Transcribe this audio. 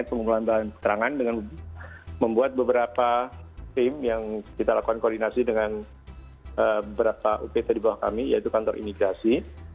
pengumpulan bahan keterangan dengan membuat beberapa tim yang kita lakukan koordinasi dengan beberapa upt di bawah kami yaitu kantor imigrasi